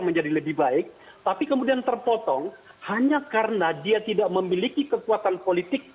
menjadi lebih baik tapi kemudian terpotong hanya karena dia tidak memiliki kekuatan politik